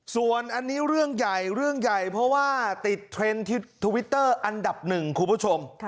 ส่วนอันนี้เรื่องใหญ่เพราะว่าติดเทรนด์ทวิตเตอร์อันดับหนึ่งครับคุณผู้ชม